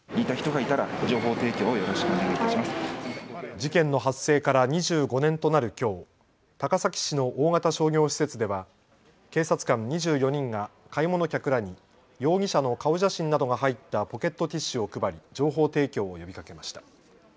事件の発生から２５年となるきょう、高崎市の大型商業施設では警察官２４人が買い物客らに容疑者の顔写真などが入ったポケットティッシュを配り情報提供を呼びかけました。